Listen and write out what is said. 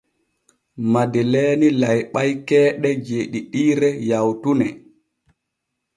Madeleeni layɓay keeɗe jeeɗiɗiire yawtune.